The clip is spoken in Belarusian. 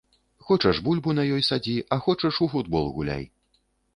Хочаш бульбу на ёй садзі, а хочаш у футбол гуляй.